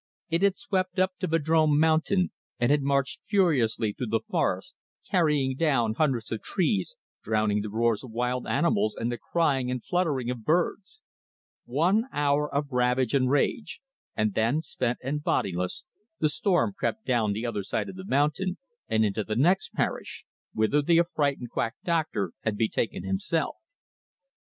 It had swept up to Vadrome Mountain, and had marched furiously through the forest, carrying down hundreds of trees, drowning the roars of wild animals and the crying and fluttering of birds. One hour of ravage and rage, and then, spent and bodiless, the storm crept down the other side of the mountain and into the next parish, whither the affrighted quack doctor had betaken himself.